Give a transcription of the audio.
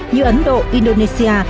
như ấn độ indonesia